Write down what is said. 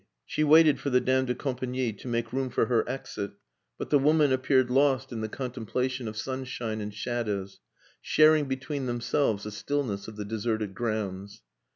She waited for the dame de compagnie to make room for her exit; but the woman appeared lost in the contemplation of sunshine and shadows, sharing between themselves the stillness of the deserted grounds.